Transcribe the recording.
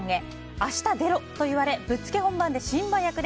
明日出ろ！と言われぶっつけ本番でシンバ役で。